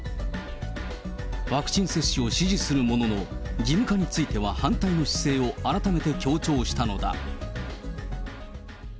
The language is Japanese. ワクチン接種を支持するものの、義務化については反対の姿勢を改めて強調したのだ。